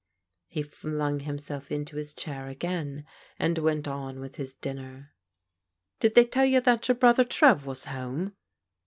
He flung himself into his chair again and went on with his dinner. " Did they tell you that your brother, Trev, was home?"